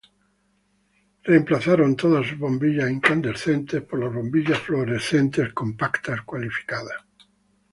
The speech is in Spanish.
Reemplazaron todas sus bombillas incandescentes por las bombillas fluorescentes compactas cualificadas.